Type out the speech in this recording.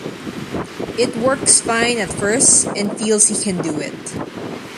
It works fine at first, and feels he can do it.